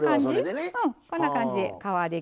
こんな感じ。